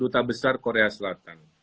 ruta besar korea selatan